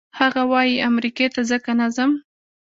هغه وايي امریکې ته ځکه نه ځم.